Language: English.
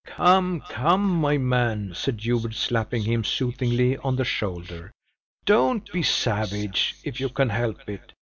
"Come, come, my man!" said Hubert, slapping him soothingly on the shoulder. "Don't be savage, if you can help it!